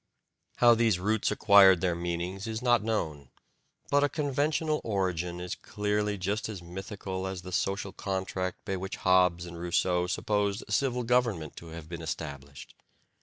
How these roots acquired their meanings is not known, but a conventional origin is clearly just as mythical as the social contract by which Hobbes and Rousseau supposed civil government to have been established.